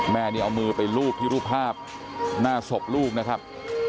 แม่นี่เอามือไปรูปที่รูปภาพหน้าศพลูกนะครับ